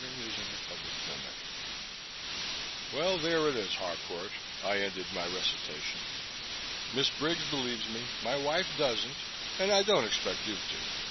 Thanks, I'll wait." CHAPTER 10 "Well, there it is, Harcourt," I ended my recitation. "Miss Briggs believes me, my wife doesn't, and I don't expect you to.